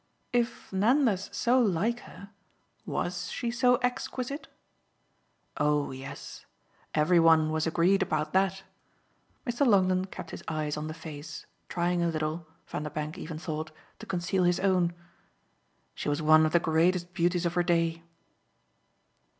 "If Nanda's so like her, WAS she so exquisite?" "Oh yes; every one was agreed about that." Mr. Longdon kept his eyes on the face, trying a little, Vanderbank even thought, to conceal his own. "She was one of the greatest beauties of her day."